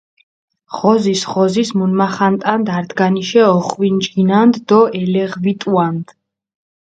ღოზის, ღოზის მუნმახანტანდჷ, ართგანიშე ოხვინჯგინანდჷ დო ელეღვიტუანდჷ.